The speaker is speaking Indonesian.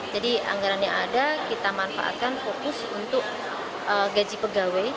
jadi anggaran yang ada kita manfaatkan fokus untuk gaji pegawai